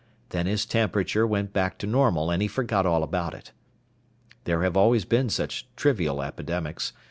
Then his temperature went back to normal and he forgot all about it. There have always been such trivial epidemics.